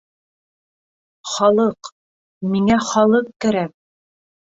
Халыҡ, миңә халыҡ кәрәк!